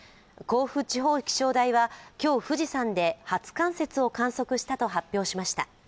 甲府地方気象台は今日、富士山で初冠雪を観測したと発表しました。